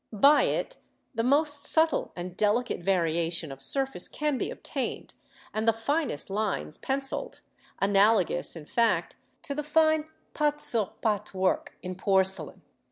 By it the most subtle and delicate variation of surface can be obtained, and the finest lines pencilled, analogous, in fact, to the fine pâte sur pâte work in porcelain.